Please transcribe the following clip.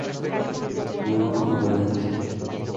Jugó como volante.